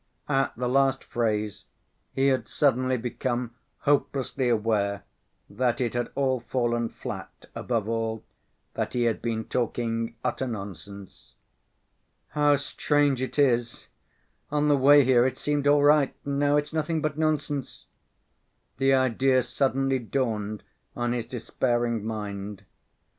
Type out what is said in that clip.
At the last phrase he had suddenly become hopelessly aware that it had all fallen flat, above all, that he had been talking utter nonsense. "How strange it is! On the way here it seemed all right, and now it's nothing but nonsense." The idea suddenly dawned on his despairing mind.